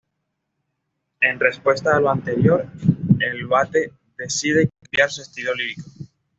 En respuesta a lo anterior, el vate decide cambiar su estilo lírico.